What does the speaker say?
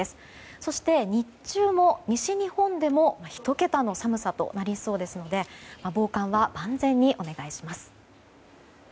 そして、日中も西日本でも１桁の寒さとなりそうですので防寒は万全にお願いします。